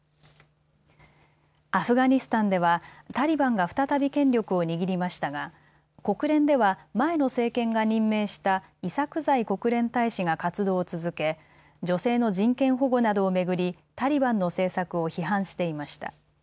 アフガニスタンではタリバンが再び権力を握りましたが国連では前の政権が任命したイサクザイ国連大使が活動を続け、女性の人権保護などを巡りタリバンの政策を批判していました。